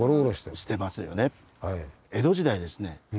江戸時代ですね